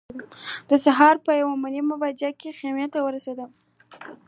د سهار په یوه نیمه بجه خپلې خیمې ته ورسېدو.